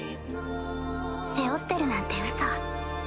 背負ってるなんてウソ。